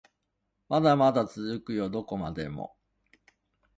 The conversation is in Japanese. まだまだ続くよどこまでも